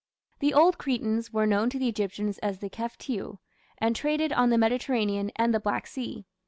The old Cretans were known to the Egyptians as the "Keftiu", and traded on the Mediterranean and the Black Sea.